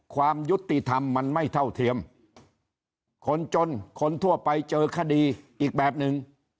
ความยุติธรรมมันไม่เท่าเทียมคนจนคนทั่วไปเจอคดีอีกแบบหนึ่ง